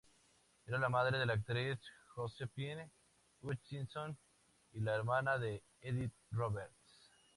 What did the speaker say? Era la madre de la actriz Josephine Hutchinson y la hermana de Edith Roberts.